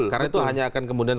karena itu hanya akan kemudian